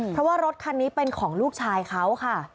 เพราะว่ารถคันนี้เป็นของลูกชายเขาค่ะ